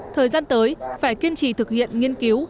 thời gian tới phải kiên trì thực hiện nghiên cứu